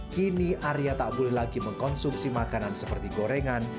kini arya tak boleh lagi mengkonsumsi makanan seperti gorengan